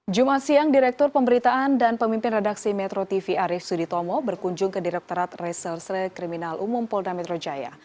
jumat siang direktur pemberitaan dan pemimpin redaksi metro tv arief suditomo berkunjung ke direkturat reserse kriminal umum polda metro jaya